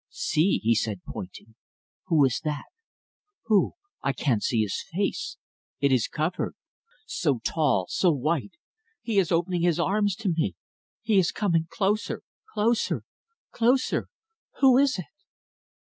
"See," he said, pointing, "who is that? Who? I can't see his face it is covered. So tall so white! He is opening his arms to me. He is coming closer closer. Who is it?"